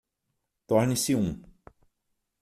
Torne-se um